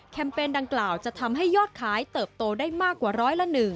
เปญดังกล่าวจะทำให้ยอดขายเติบโตได้มากกว่าร้อยละ๑